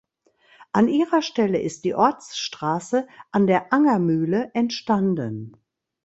An ihrer Stelle ist die Ortsstraße An der Angermühle entstanden.